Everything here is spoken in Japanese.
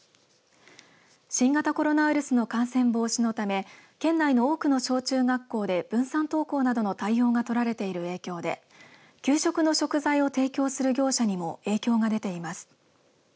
新型コロナウイルスの感染防止のため県内の多くの小中学校で分散登校などの対応が取られている影響で給食の食材を提供する業者にも影響が出ています。